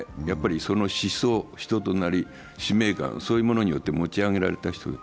その思想、人となり、使命感、そういうものによって持ち上げられた人。